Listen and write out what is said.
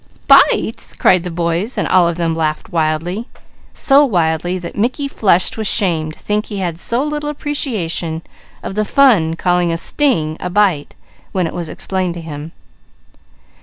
"Bites!" cried the boys while all of them laughed wildly, so wildly that Mickey flushed with shame to think he had so little appreciation of the fun calling a sting a bite, when it was explained to him.